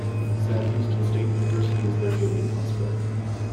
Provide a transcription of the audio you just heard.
Sam Houston State University is located in Huntsville.